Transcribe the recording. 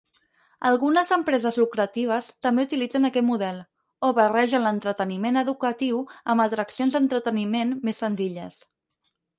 Algunes empreses lucratives també utilitzen aquest model, o barregen l'entreteniment educatiu amb atraccions d'entreteniment més senzilles.